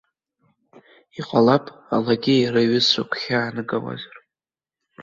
Иҟалап, алагьы иара аҩызцәа гәхьаанагауазар.